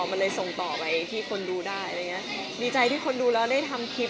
มันเลยส่งต่อไปที่คนดูได้อะไรอย่างเงี้ยดีใจที่คนดูแล้วได้ทำคลิป